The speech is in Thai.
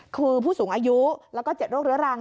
คือผู้สูงอายุแล้วก็๗โรคเรื้อรัง